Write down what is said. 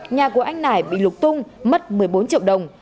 nhà của anh nải bị lục tung mất một mươi bốn triệu đồng